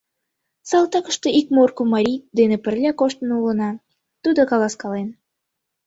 — Салтакыште ик Морко марий дене пырля коштын улына, тудо каласкален.